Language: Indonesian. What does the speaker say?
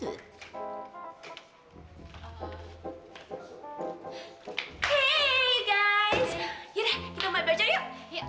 hei guys ya udah kita mau belajar yuk